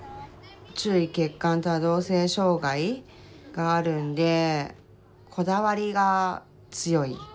注意欠陥多動性障害があるんでこだわりが強い。